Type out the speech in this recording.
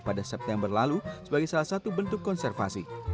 pada september lalu sebagai salah satu bentuk konservasi